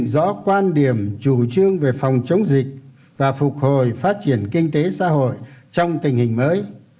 rõ quan điểm chủ trương về phòng chống dịch và phục hồi phát triển kinh tế xã hội trong tình hình mới